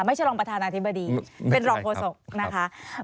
ไม่ใช่รองพัฒนาธิบดีเป็นรองโคศกนะคะ